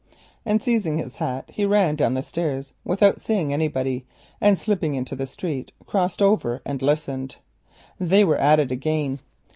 Then seizing his hat he ran down the stairs without seeing anybody and slipping into the street crossed over and listened. They were at it again.